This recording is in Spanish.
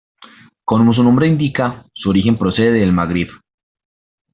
Como su nombre indica, su origen procede del Magreb.